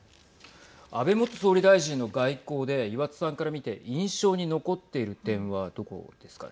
安倍元総理大臣の外交で岩田さんから見て、印象に残っている点はどこですか。